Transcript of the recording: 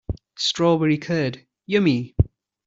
Strawberry curd, yummy!